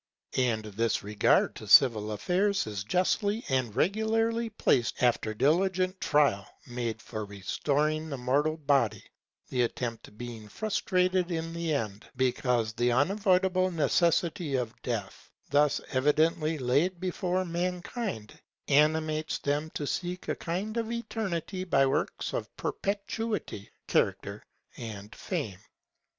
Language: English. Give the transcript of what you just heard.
And this regard to civil affairs is justly and regularly placed after diligent trial made for restoring the mortal body; the attempt being frustrated in the end—because the unavoidable necessity of death, thus evidently laid before mankind, animates them to seek a kind of eternity by works of perpetuity, character, and fame.